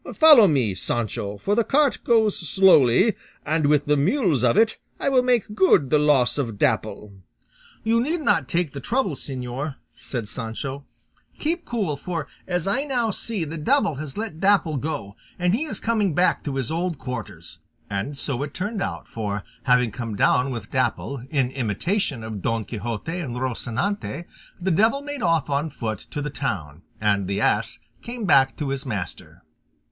Follow me, Sancho, for the cart goes slowly, and with the mules of it I will make good the loss of Dapple." "You need not take the trouble, señor," said Sancho; "keep cool, for as I now see, the devil has let Dapple go and he is coming back to his old quarters;" and so it turned out, for, having come down with Dapple, in imitation of Don Quixote and Rocinante, the devil made off on foot to the town, and the ass came back to his master.